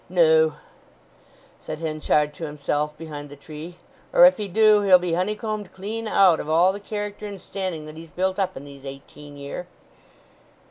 "No!" said Henchard to himself behind the tree. "Or if he do, he'll be honeycombed clean out of all the character and standing that he's built up in these eighteen year!"